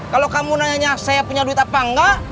kalau kamu nanya saya punya duit apa enggak